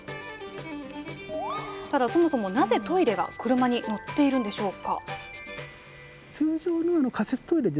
ただ、そもそもなぜトイレが車に載っているんでしょうか。